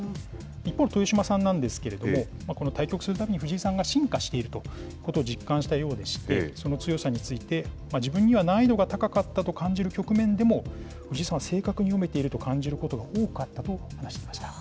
一方、豊島さんなんですけれども、この対局するたびに、藤井さんが進化していることを実感したようでして、その強さについて、自分には難易度が高かったと感じる局面でも、藤井さんは正確に読めていると感じることが多かったと話していました。